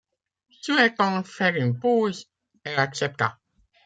Souhaitant faire une pause, elle accepta.